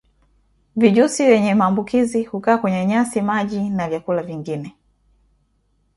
Vijusi vyewe maambukizi hukaa kwenye nyasi maji na vyakula vingine